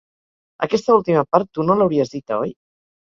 Aquesta última part tu no l’hauries dita, oi?